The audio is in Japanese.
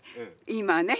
今ね